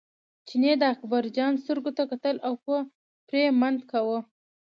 چیني د اکبرجان سترګو ته کتل او په پرې منت کاوه.